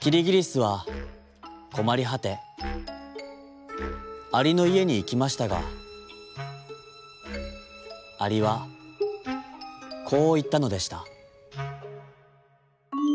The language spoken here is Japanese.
キリギリスはこまりはてアリのいえにいきましたがアリはこういったのでした。